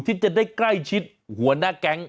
ที่จะได้ใกล้ชิดหัวหน้าแก๊ง